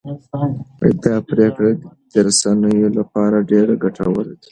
دا پرمختګ د رسنيو لپاره ډېر ګټور دی.